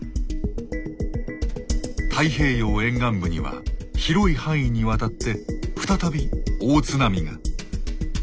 太平洋沿岸部には広い範囲にわたって再び大津波が。